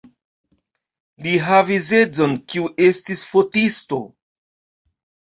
Li havis edzon, kiu estis fotisto.